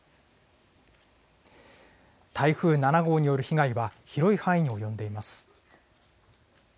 台風７号による被害は広い範囲に及んでいます。